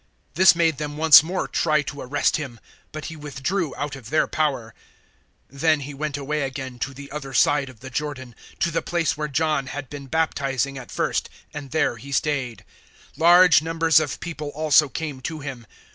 010:039 This made them once more try to arrest Him, but He withdrew out of their power. 010:040 Then He went away again to the other side of the Jordan, to the place where John had been baptizing at first; and there He stayed. 010:041 Large numbers of people also came to Him.